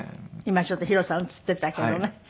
今ちょっとＨＩＲＯさん映ってたけどね。